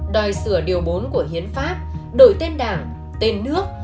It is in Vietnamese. đòi sửa điều bốn của hiến pháp đổi tên đảng tên nước